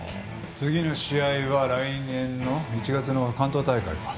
次の試合は来年の１月の関東大会か。